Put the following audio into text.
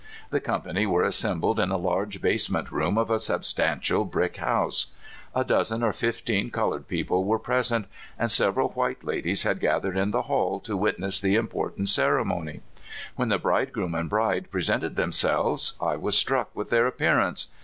The company were assembled in the large basement room of a sub stantial brick house. A dozen or fifteen colored people were prese it, and several white ladies had gathered in the hall to witness the important cere mony. When the bridegroom and bride pre sented themselves I was struck with their appear ance.